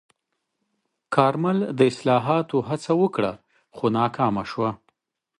کارمل د اصلاحاتو هڅه وکړه، خو ناکامه شوه.